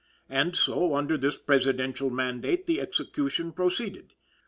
And so, under this Presidential mandate, the execution proceeded.